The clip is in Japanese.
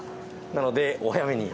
なのでお早めに。